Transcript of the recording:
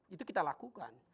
itu kita lakukan